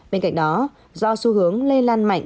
bên cạnh đó do xu hướng lây lan mạnh